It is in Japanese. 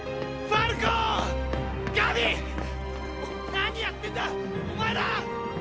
何やってんだお前ら！！